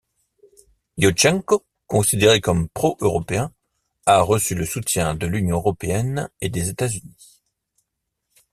Iouchtchenko, considéré comme pro-européen, a reçu le soutien de l'Union européenne et des États-Unis.